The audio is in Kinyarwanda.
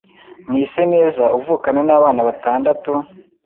Mwiseneza uvukana n’abana batandatu,